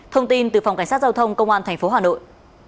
thông tin từ phòng cảnh sát giao thông công an tp hà nội